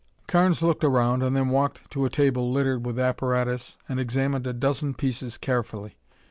Carnes looked around and then walked to a table littered with apparatus and examined a dozen pieces carefully.